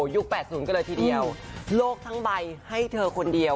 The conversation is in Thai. ยุคแปดศูนย์กระทิเดียวโลกทั้งใบให้เธอคนเดียว